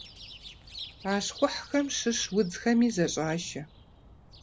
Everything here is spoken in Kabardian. А щхъухьхэм щыщ удзхэми зэщӀашэ.